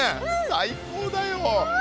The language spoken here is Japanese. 最高だよ。